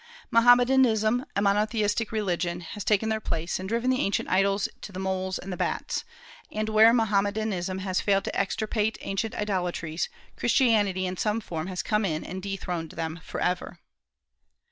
Mohammedanism, a monotheistic religion, has taken their place, and driven the ancient idols to the moles and the bats; and where Mohammedanism has failed to extirpate ancient idolatries, Christianity in some form has come in and dethroned them forever.